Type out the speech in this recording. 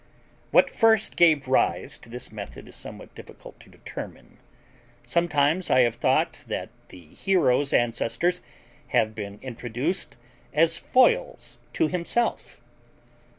What first gave rise to this method is somewhat difficult to determine. Sometimes I have thought that the hero's ancestors have been introduced as foils to himself.